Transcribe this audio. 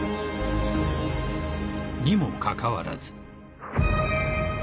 ［にもかかわらず］